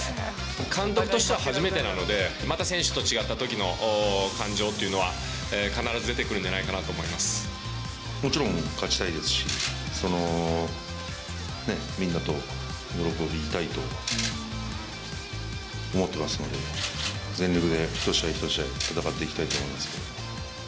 監督としては初めてなので、また選手と違ったときの感情というのは必ず出てくるんじゃないかもちろん勝ちたいですし、みんなと喜びたいと思ってますので、全力で一試合一試合、戦っていきたいと思いますけれども。